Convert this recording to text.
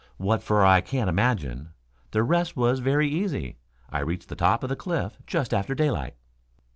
What for I cannot imagine. The rest was very easy. I reached the top of the cliff just after daylight."